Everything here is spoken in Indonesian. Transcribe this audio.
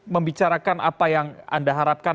membicarakan apa yang anda harapkan